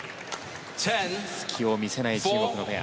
隙を見せない中国のペア。